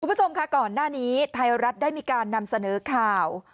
คุณผู้ชมค่ะก่อนหน้านี้ไทยรัฐได้มีการนำเสนอข่าว